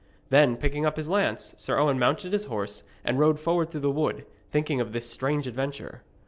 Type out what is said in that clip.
Then, picking up his lance, Sir Owen mounted his horse, and rode forward through the wood, thinking of this strange adventure.